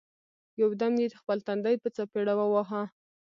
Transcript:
یو دم یې خپل تندی په څپېړه وواهه!